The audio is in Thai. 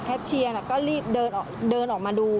เชียร์ก็รีบเดินออกมาดู